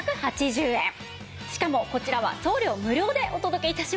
しかもこちらは送料無料でお届け致します。